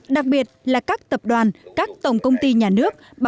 đặc biệt là các tập đoàn các tổng công ty nhà nước